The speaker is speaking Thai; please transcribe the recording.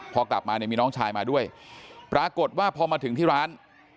พอกลับมาเนี่ยมีน้องชายมาด้วยปรากฏว่าพอมาถึงที่ร้าน